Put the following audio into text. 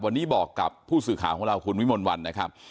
วันนี้บอกกับผู้สื่อข่าวของเราคุณวิมลวันนะครับ